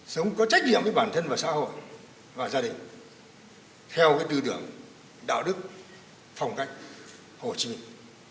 sống có trách nhiệm với bản thân và xã hội và gia đình theo tư tưởng đạo đức phong cách hồ chí minh